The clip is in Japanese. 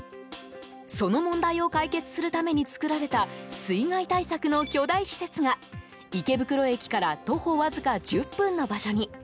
その問題を解決するために造られた水害対策の巨大施設が池袋駅から徒歩わずか１０分の場所に。